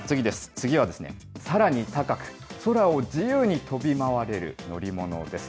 次はですね、さらに高く空を自由に飛び回れる乗り物です。